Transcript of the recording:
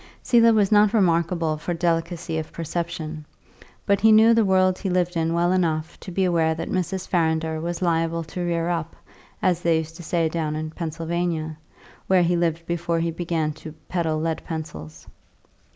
Selah was not remarkable for delicacy of perception, but he knew the world he lived in well enough to be aware that Mrs. Farrinder was liable to rear up, as they used to say down in Pennsylvania, where he lived before he began to peddle lead pencils.